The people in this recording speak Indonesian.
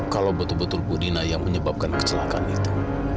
kalau betul betul budina yang menyebabkan kecelakaan itu